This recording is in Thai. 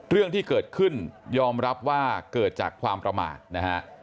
เรื่องที่เกิดขึ้นยอมรับว่าเกิดจากความประมาทนะฮะ